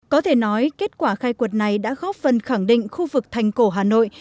có thể nói kết quả khai quật này đã góp phần khẳng định khu vực thành cổ hà nội